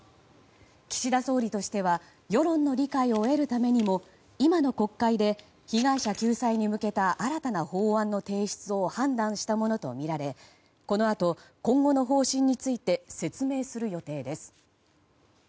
岸田総理としては世論の理解を得るためにも今の国会で被害者救済に向けた新たな法案の提出を判断したものとみられこのあと、今後の方針について説明する予定です。